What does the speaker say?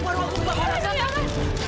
aduh gimana ini